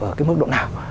ở cái mức độ nào